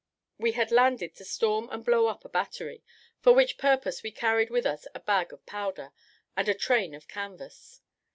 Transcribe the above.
We had landed to storm and blow up a battery, for which purpose we carried with us a bag of powder, and a train of canvas.